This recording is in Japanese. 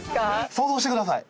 想像してください！